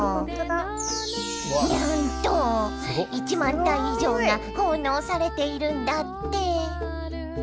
にゃんと１万体以上が奉納されているんだって。